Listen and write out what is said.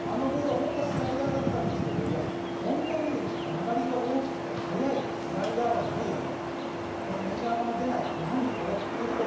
あのボール、本当はスライダーだったんですけど、こんなに曲がりが大きくて速いスライダーはないよね？